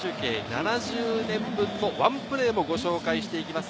７０年分の１プレーもご紹介していきます。